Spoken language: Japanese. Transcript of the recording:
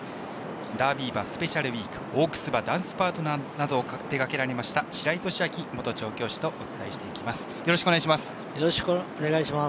ダービー馬、スペシャルウィークダンスパートナーなどを手がけました白井寿昭元調教師とお伝えしていきます。